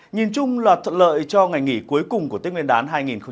nhìn chung là thuận lợi cho ngày nghỉ cuối cùng của tết nguyên đán hai nghìn hai mươi